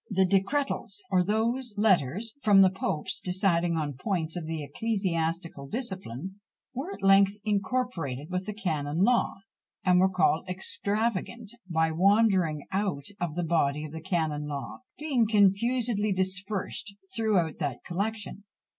The Decretals, or those letters from the popes deciding on points of ecclesiastical discipline, were at length incorporated with the canon law, and were called extravagant by wandering out of the body of the canon law, being confusedly dispersed through that collection.